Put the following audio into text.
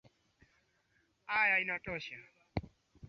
ha ya sisi kuwa wengi katika mbuge la wakilishaji